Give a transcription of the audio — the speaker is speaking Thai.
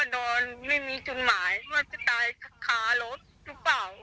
หนูกลัวว่านอนไม่มีจุดหมายว่าจะตายคลารถรู้ป่าว